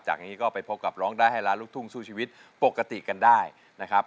นี้ก็ไปพบกับร้องได้ให้ล้านลูกทุ่งสู้ชีวิตปกติกันได้นะครับ